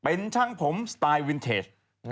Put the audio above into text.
เป็นช่างผมสไตล์วินเทจ